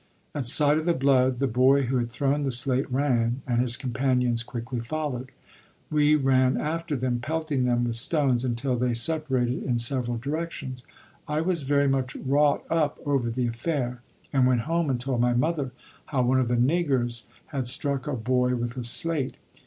At sight of the blood the boy who had thrown the slate ran, and his companions quickly followed. We ran after them pelting them with stones until they separated in several directions. I was very much wrought up over the affair, and went home and told my mother how one of the "niggers" had struck a boy with a slate.